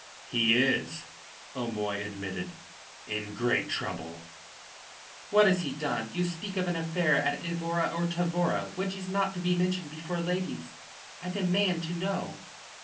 "He is," O'Moy admitted. "In great trouble." "What has he done? You spoke of an affair at Evora or Tavora, which is not to be mentioned before ladies. I demand to know."